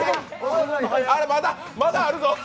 まだあるぞ！